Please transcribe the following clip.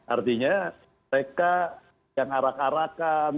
artinya mereka yang arak arakan yang berjalan